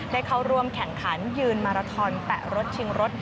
ได้เข้าร่วมแข่งขันยืนมาราทอนแปะรถชิงรถ